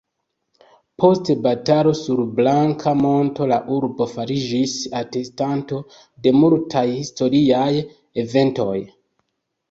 Post batalo sur Blanka Monto la urbo fariĝis atestanto de multaj historiaj eventoj.